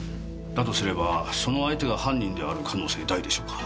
だとすればその相手が犯人である可能性大でしょうか。